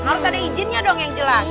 harus ada izinnya dong yang jelas